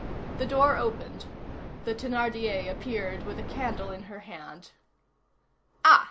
The door opened. The Thénardier appeared with a candle in her hand. "Ah!